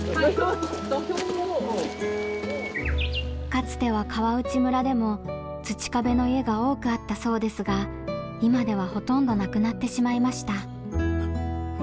かつては川内村でも土壁の家が多くあったそうですが今ではほとんどなくなってしまいました。